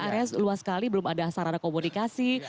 area luas sekali belum ada sarana komunikasi